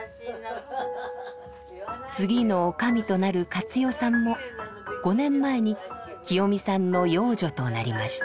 次の女将となる加津代さんも５年前に清美さんの養女となりました。